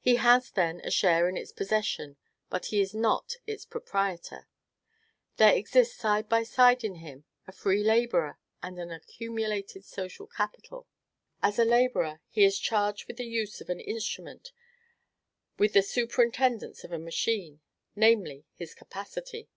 He has, then, a share in its possession; he is not its proprietor. There exist side by side in him a free laborer and an accumulated social capital. As a laborer, he is charged with the use of an instrument, with the superintendence of a machine; namely, his capacity.